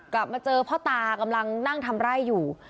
กลับมาเจอพ่อตากำลังนั่งทำไร่อยู่